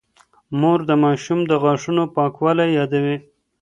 مور د ماشوم د غاښونو پاکوالی يادوي.